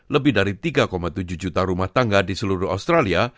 lebih dari tiga tujuh juta rumah tangga di seluruh australia